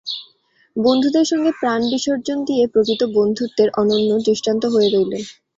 বন্ধুদের সঙ্গে প্রাণ বিসর্জন দিয়ে প্রকৃত বন্ধুত্বের অনন্য দৃষ্টান্ত হয়ে রইলেন।